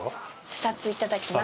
２ついただきます。